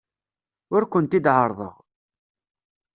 Ur kent-id-ɛerrḍeɣ.